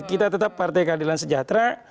kita tetap partai keadilan sejahtera